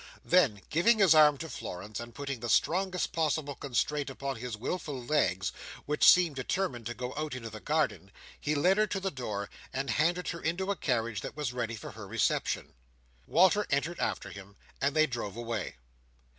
Then, giving his arm to Florence, and putting the strongest possible constraint upon his wilful legs, which seemed determined to go out into the garden, he led her to the door, and handed her into a carriage that was ready for her reception. Walter entered after him, and they drove away.